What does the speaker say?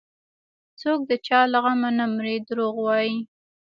څوك د چا له غمه نه مري دروغ وايي